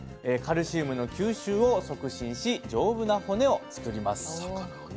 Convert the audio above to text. カルシウムの吸収を促進し丈夫な骨を作ります。